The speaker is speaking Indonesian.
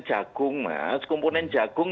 jagung mas komponen jagung